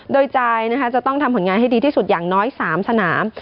โดยจ่ายนะคะจะต้องทำผลงานให้ดีที่สุดอย่างน้อย๓สนาม